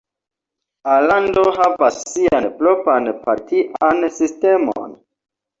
Alando havas sian propran partian sistemon.